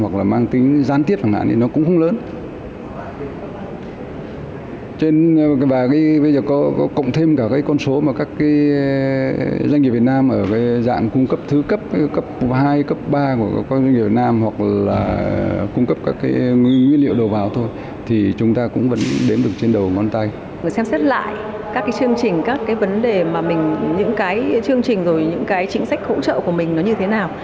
các chương trình các vấn đề những chương trình những chính sách hỗ trợ của mình như thế nào